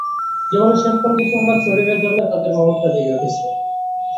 জীবনের শেষ প্রান্তে এসে হঠাৎ শরীরের জন্যে তাদের মমতা জেগে উঠেছে।